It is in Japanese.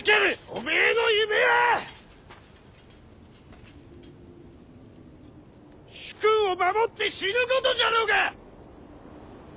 おめえの夢は主君を守って死ぬことじゃろうが！